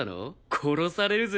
殺されるぜ。